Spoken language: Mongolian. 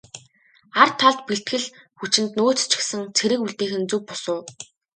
Ар талд бэлтгэл хүчинд цөөн ч гэсэн цэрэг үлдээх нь зөв бус уу?